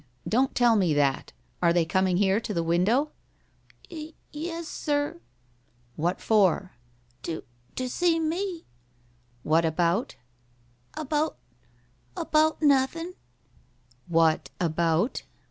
Don't tell me that. Are they coming here to the window?" "Y e s, sir." "What for?" "To to see me." "What about?" "About about nothin'." "What about?"